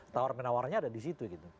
tawar menawarnya ada di situ gitu